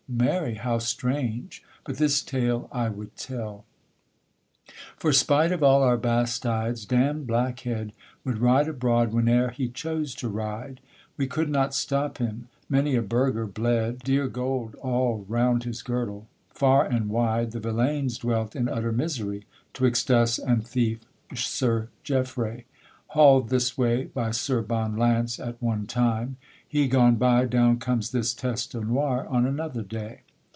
Mary! how strange! but this tale I would tell: For spite of all our bastides, damned Blackhead Would ride abroad whene'er he chose to ride, We could not stop him; many a burgher bled Dear gold all round his girdle; far and wide The villaynes dwelt in utter misery 'Twixt us and thief Sir Geffray; hauled this way By Sir Bonne Lance at one time; he gone by, Down comes this Teste Noire on another day.